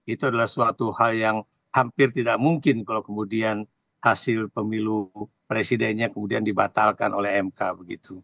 itu adalah suatu hal yang hampir tidak mungkin kalau kemudian hasil pemilu presidennya kemudian dibatalkan oleh mk begitu